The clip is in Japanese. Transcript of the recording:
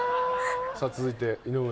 さあ続いて井上。